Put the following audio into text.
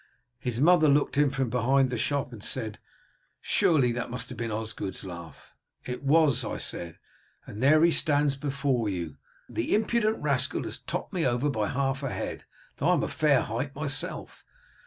His mother looked in from behind the shop and said, 'Surely that must have been Osgod's laugh.' 'It was,' I said, 'and there he stands before you. The impudent rascal has topped me by over half a head, though I am a fair height myself.'